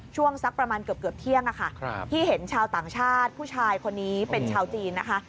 ช่วงสักประมาณเกือบเที่ยงที่เห็นชาวต่างชาติผู้ชายคนนี้เป็นชาวจีนนะคะ